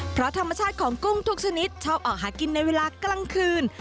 เพราะธรรมชาติของกุ้งทุกชนิดชอบออกหากินในเวลากลางคืน